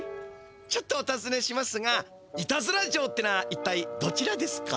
ちょっとおたずねしますがいたずら城ってのはいったいどちらですか？